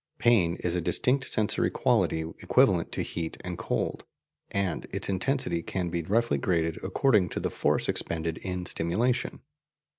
Pain is a distinct sensory quality equivalent to heat and cold, and its intensity can be roughly graded according to the force expended in stimulation.